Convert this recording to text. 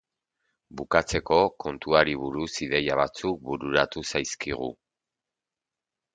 Bukatzeko, kontuari buruz ideia batzuk bururatu zaizkigu.